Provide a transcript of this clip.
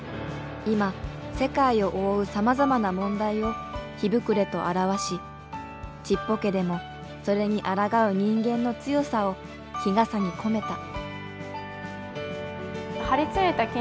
今世界を覆うさまざまな問題を「火ぶくれ」と表しちっぽけでもそれにあらがう人間の強さを「日傘」に込めた。